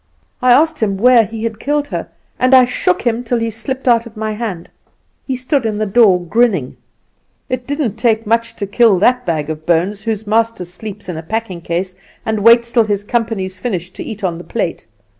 I asked him where he had killed her, and I shook him till he slipped out of my hand. He stood in the door grinning. "'It didn't take much to kill that bag of bones, whose master sleeps in a packing case, and waits till his company's finished to eat on the plate.